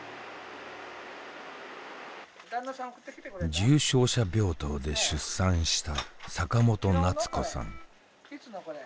重症者病棟で出産した坂本なつ子さん。